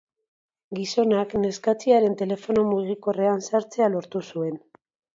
Gizonak neskatxiaren telefono mugikorrean sartzea lortu zuen.